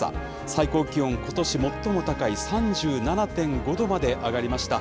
最高気温ことし最も高い、３７．５度まで上がりました。